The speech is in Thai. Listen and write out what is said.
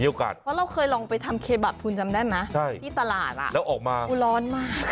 มีโอกาสเพราะเราเคยลองไปทำเคบับคุณจำได้มั้ยใช่ที่ตลาดอ่ะแล้วออกมาโอ้ร้อนมาก